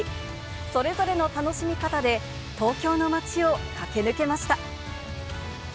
それぞれの楽しみ方で東京の街を駆け抜けました。